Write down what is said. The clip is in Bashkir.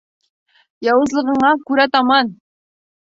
Яуызлығыңа күрә таман!